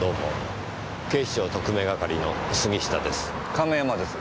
亀山です。